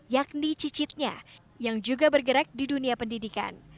yakni cicitnya yang juga bergerak di dunia pendidikan